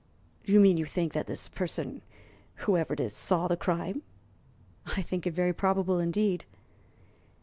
"Do you mean you think this person whoever it is saw the crime?" "I think it very probable indeed."